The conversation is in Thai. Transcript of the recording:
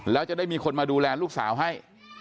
แล้วจะได้มีคนมาดูแลลูกสาวให้